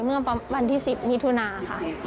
เมื่อวันที่๑๐มิถุนาค่ะ